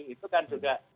itu kan juga